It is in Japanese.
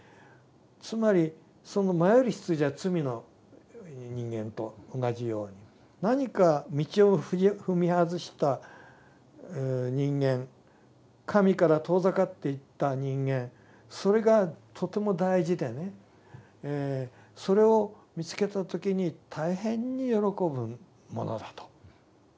つまり迷える羊は罪の人間と同じように何か道を踏み外した人間神から遠ざかっていった人間それがとても大事でねそれを見つけた時に大変に喜ぶものだと。